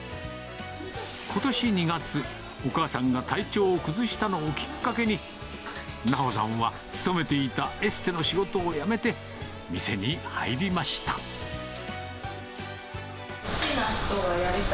ことし２月、お母さんが体調を崩したのをきっかけに、奈穂さんは勤めていたエステの仕事を辞めて店に入りました。